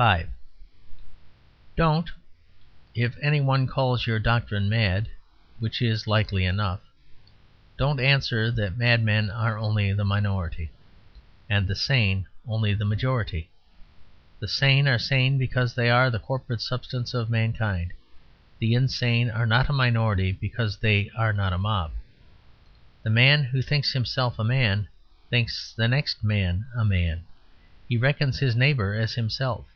(5) Don't (if any one calls your doctrine mad, which is likely enough), don't answer that madmen are only the minority and the sane only the majority. The sane are sane because they are the corporate substance of mankind; the insane are not a minority because they are not a mob. The man who thinks himself a man thinks the next man a man; he reckons his neighbour as himself.